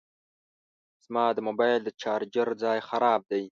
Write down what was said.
زما د موبایل د چارجر ځای خراب دی